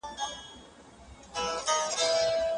د افغانستان بهرنیو تګلاره د ملي حاکمیت بشپړ ساتنه نه تضمینوي.